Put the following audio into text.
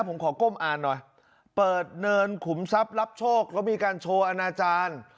ผมขอก้มอ่านหน่อยเปิดเนินขุมทรัพย์รับโชคแล้วมีการโชว์อนาจารย์